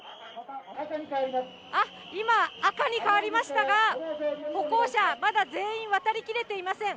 あっ、今、赤に変わりましたが、歩行者、まだ全員渡り切れていません。